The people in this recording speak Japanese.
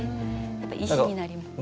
やっぱり石になります。